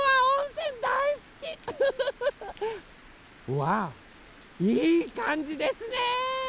わあいいかんじですね。